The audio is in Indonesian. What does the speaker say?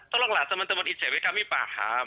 tolonglah teman teman icw kami paham